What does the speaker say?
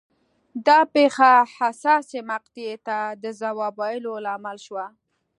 دا پېښه حساسې مقطعې ته د ځواب ویلو لامل شوه.